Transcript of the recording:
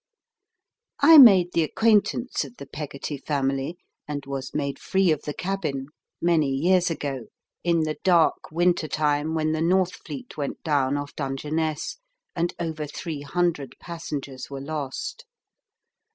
I made the acquaintance of the Peggotty family and was made free of the cabin many years ago, in the dark winter time when the Northfleet went down off Dungeness, and over three hundred passengers were lost.